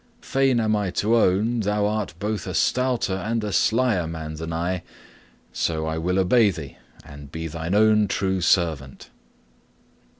Fain am I to own thou art both a stouter and a slyer man than I; so I will obey thee and be thine own true servant."